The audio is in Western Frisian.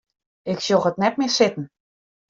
Ik sjoch it net mear sitten.